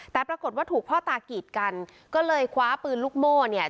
แต่ปรากฏว่าถูกพ่อตากีดกันก็เลยคว้าปืนลูกโม่เนี่ย